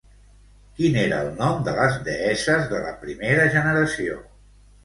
Quin era el nom de les deesses de la primera generació?